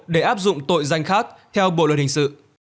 danh khát theo bộ luật hình sự